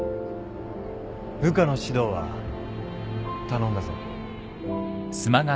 部下の指導は頼んだぞ。